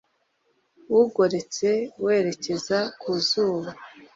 Ugororotse werekeza ku zuba